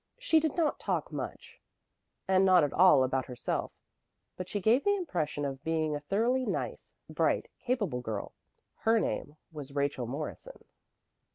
She did not talk much, and not at all about herself, but she gave the impression of being a thoroughly nice, bright, capable girl. Her name was Rachel Morrison.